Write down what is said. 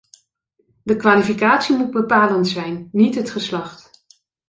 De kwalificatie moet bepalend zijn, niet het geslacht.